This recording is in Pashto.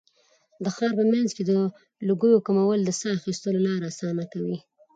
د ښار په منځ کې د لوګیو کمول د ساه ایستلو لاره اسانه کوي.